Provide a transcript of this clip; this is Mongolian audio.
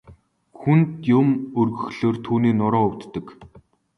Хүнд юм өргөхлөөр түүний нуруу өвддөг.